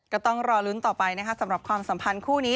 ก็ต้องรอลุ้นต่อไปนะคะสำหรับความสัมพันธ์คู่นี้